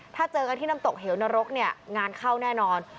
ถ้าเจอกันที่น้ำตกเหวนรกเนี่ยงานเข้าแน่นอน